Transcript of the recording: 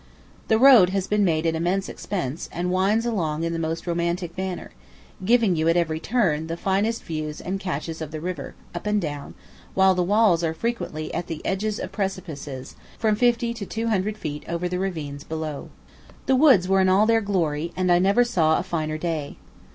The road has been made at immense expense, and winds along in the most romantic manner giving you, at every turn, the finest views and catches of the river, up and down; while the walls are frequently at the edges of precipices, from fifty to two hundred feet over the ravines below. The woods were in all their glory, and I never saw a finer day.